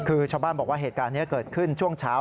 คือชาวบ้านบอกว่าเหตุการณ์นี้เกิดขึ้นช่วงเช้า